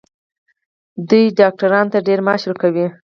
دوی ډاکټرانو ته ډیر معاش ورکوي.